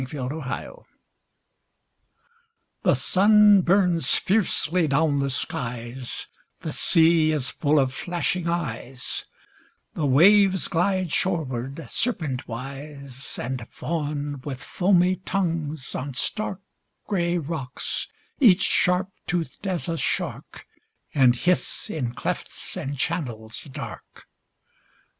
A PICTURE THE sun burns fiercely down the skies ; The sea is full of flashing eyes ; The waves glide shoreward serpentwise And fawn with foamy tongues on stark Gray rocks, each sharp toothed as a shark, And hiss in clefts and channels dark.